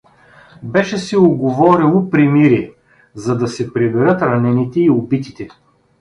Беше се уговорило примирие, за да се приберат ранените и убитите.